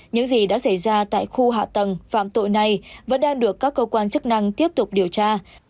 những gì đã xảy ra tại khu hạ tầng phạm tội này vẫn đang được các cơ quan chức năng tiếp tục điều tra